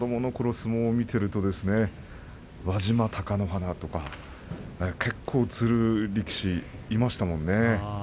相撲を見ていると輪島、貴乃花とか結構、つる力士がいましたもんね。